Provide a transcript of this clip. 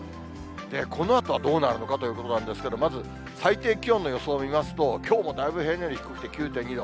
このあとはどうなるのかということなんですけれども、まず最低気温の予想を見ますと、きょうもだいぶ平年より低くて９．２度。